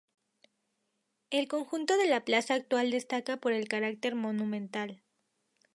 El conjunto de la plaza actual destaca por el carácter monumental.